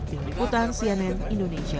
tinggi putan cnn indonesia